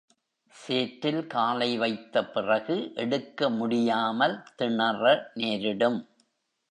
சேற்றில் காலை வைத்த பிறகு எடுக்க முடியாமல் திணற நேரிடும்.